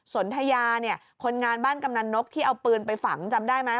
สนทยาเนี่ยคนงานบ้านกำนันนกที่เอาปืนไปฝังจำได้ไหม